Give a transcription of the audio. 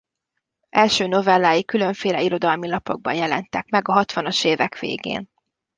Első novellái különféle irodalmi lapokban jelentek meg a hatvanas évek végén.